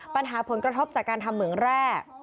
ปัญหาผลกระทบจากการทำเหมืองแร่